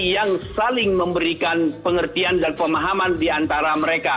yang saling memberikan pengertian dan pemahaman di antara mereka